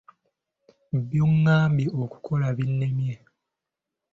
By'ongambye okukola binnemye.